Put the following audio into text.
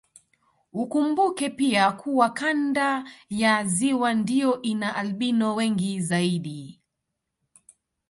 Ukumbuke pia kuwa kanda ya ziwa ndio ina albino wengi zaidi